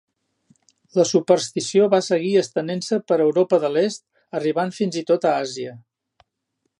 La superstició va seguir estenent-se per Europa de l'Est, arribant fins i tot a Àsia.